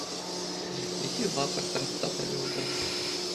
Які лапаць, трасца табе ў бок?